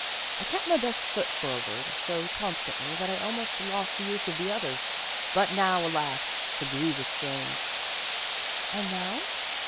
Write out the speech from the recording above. I kept my best foot forward so constantly that I almost lost the use of the other. But now, alas ! the grievous change !" "And now?"